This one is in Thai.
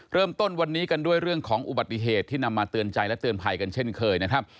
เริ่มต้นวันนี้กันด้วยเรื่องของอุบัติเหตุที่นำมาเตือนใจและเตือนภัยกันเช่นเคยนะครับ